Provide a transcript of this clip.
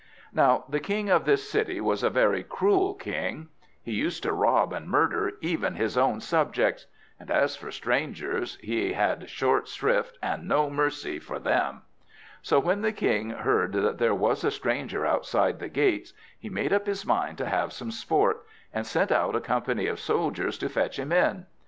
Now the king of this city was a very cruel king. He used to rob and murder even his own subjects; and as for strangers, he had short shrift and no mercy for them. So when the king heard that there was a stranger outside the gates, he made up his mind to have some sport; and sent out a company of soldiers to fetch him in.